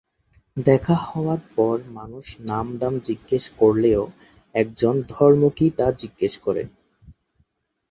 দেখা হবার পর মানুষ নাম ধাম জিজ্ঞেস করলেও একজন ধর্ম কি তা জিজ্ঞেস করে।